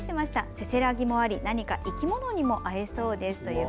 せせらぎもあり、何か生き物にも会えそうです。